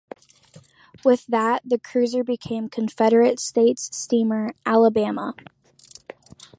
With that the cruiser became Confederate States Steamer "Alabama".